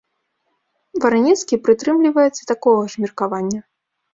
Варанецкі прытрымліваецца такога ж меркавання.